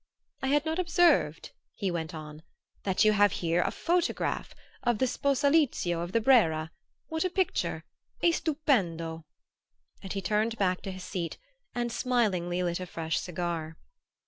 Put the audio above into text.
"I had not observed," he went on, "that you have here a photograph of the Sposalizio of the Brera. What a picture! È stupendo!" and he turned back to his seat and smilingly lit a fresh cigar.